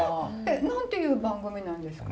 何ていう番組なんですか？